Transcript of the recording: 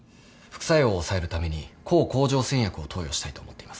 副作用を抑えるために抗甲状腺薬を投与したいと思っています。